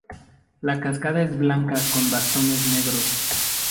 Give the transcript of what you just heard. La casaca es blanca con bastones negros.